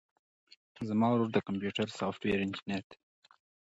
زما ورور د کمپيوټر سافټوېر انجينر دی.